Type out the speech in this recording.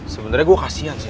sebenernya gue kasihan sih